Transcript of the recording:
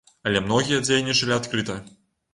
Але многія дзейнічалі адкрыта.